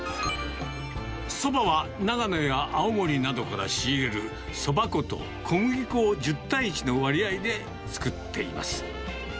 そばは長野や青森などから仕入れるそば粉と小麦粉を１０対１の割合で作っています。